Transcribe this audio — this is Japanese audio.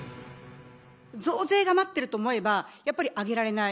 増税が待ってると思えば、やっぱり上げられない。